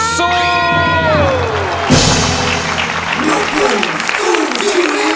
สู้ฟ้า